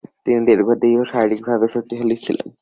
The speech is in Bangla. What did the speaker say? তিনি দীর্ঘদেহী ও শারীরিকভাবে শক্তিশালী ছিলেন।